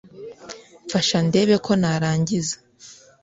mfasha ndebe ko narangiza